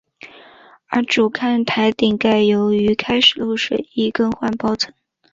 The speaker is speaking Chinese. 而主看台顶盖由于开始漏水亦更换包层。